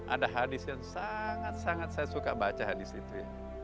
ada hadis yang sangat sangat saya suka baca hadis itu